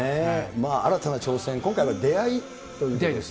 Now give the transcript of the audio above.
新たな挑戦、今回は出会いということが。